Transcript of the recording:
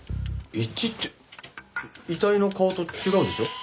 一致って遺体の顔と違うでしょ。